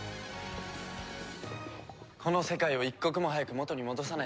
この世界を一刻も早く元に戻さないとな。